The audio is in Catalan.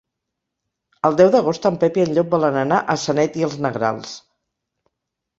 El deu d'agost en Pep i en Llop volen anar a Sanet i els Negrals.